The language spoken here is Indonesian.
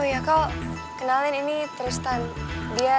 oh iya kau kenalin ini tristan dia